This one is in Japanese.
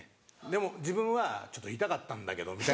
でも自分は「ちょっと痛かったんだけど」みたいな。